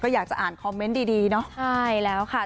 อยากจะอ่านคอมเมนต์ดีดีเนาะใช่แล้วค่ะ